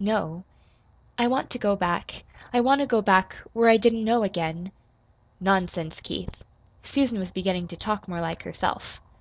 "No." "I want to go back I want to go back, where I didn't know again." "Nonsense, Keith!" (Susan was beginning to talk more like herself.)